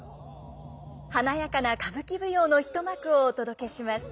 華やかな歌舞伎舞踊の一幕をお届けします。